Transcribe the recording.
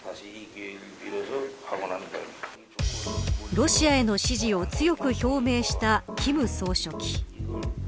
ロシアへの支持を強く表明した金総書記。